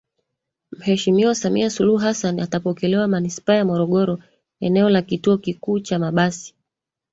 Mheshimiwa Samia Suluhu Hassan atapokelewa Manispaa ya Morogoro eneo la kituo kikuu cha mabasi